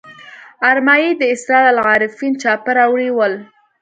ارمایي د اسرار العارفین چاپه راوړي ول.